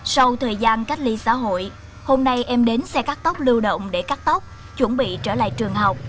sau thời gian cách ly xã hội hôm nay em đến xe cắt tóc lưu động để cắt tóc chuẩn bị trở lại trường học